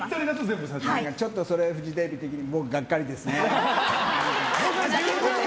それフジテレビ的に僕がっかりですね。